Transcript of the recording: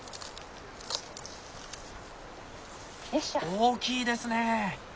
大きいですね！